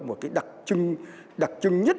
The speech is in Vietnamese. một cái đặc trưng nhất